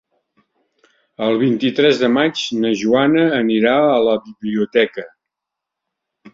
El vint-i-tres de maig na Joana anirà a la biblioteca.